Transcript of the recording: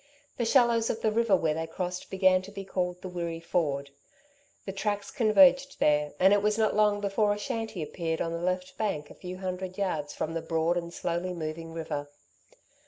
The shallows of the river where they crossed began to be called the Wirree Ford. The tracks converged there, and it was not long before a shanty appeared on the left bank a few hundred yards from the broad and slowly moving river.